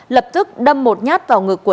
lập tức đâm một nhát vào ngực của